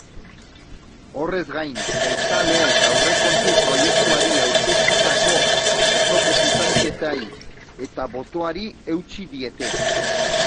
Horrez gain, jeltzaleek aurrekontu proiektuari aurkeztutako osoko zuzenketei eta botoari eutsi diete.